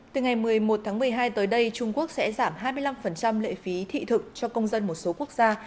từ ngày một mươi một tháng một mươi hai tới đây trung quốc sẽ giảm hai mươi năm lệ phí thị thực cho công dân một số quốc gia